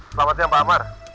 selamat siang pak amar